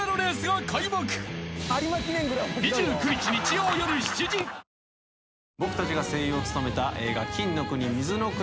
本麒麟僕たちが声優を務めた映画。